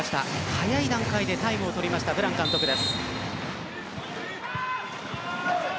早い段階でタイムを取りましたブラン監督です。